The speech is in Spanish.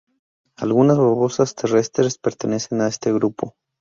Algunas babosas terrestres pertenecen a este grupo.